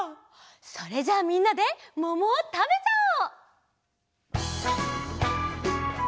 それじゃあみんなでももをたべちゃおう！